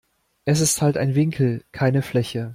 Es ist halt ein Winkel, keine Fläche.